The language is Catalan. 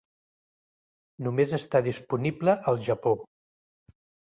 Només està disponible al Japó.